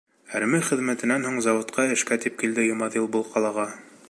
Әрме хеҙмәтенән һуң заводҡа эшкә тип килде Йомаҙил был ҡалаға.